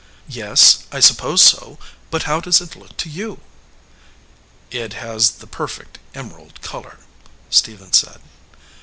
"Yes, I suppose so, but how does it look to you ?" "It has the perfect emerald color," Stephen said.